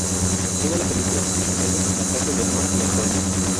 Toda la película se desenvuelve en la casa de Nora y Antonio.